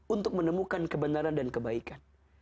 untuk menemukan kebenaran dan kebaikan